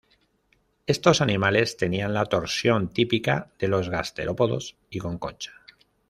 Estos animales tenían la torsión típica de los gasterópodos y con concha.